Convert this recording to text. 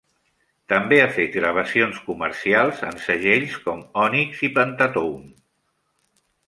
També ha fet gravacions comercials en segells com Onyx i Pentatone.